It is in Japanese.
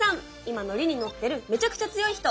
今ノリにノッてるめちゃくちゃ強い人。